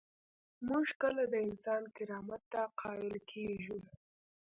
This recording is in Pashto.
موږ کله د انسان کرامت ته قایل کیږو؟